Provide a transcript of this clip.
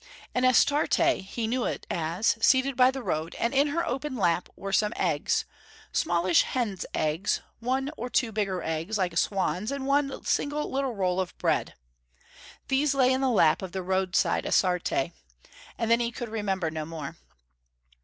An Astarte he knew it as, seated by the road, and in her open lap, were some eggs: smallish hen's eggs, and one or two bigger eggs, like swan's, and one single little roll of bread. These lay in the lap of the roadside Astarte.... And then he could remember no more.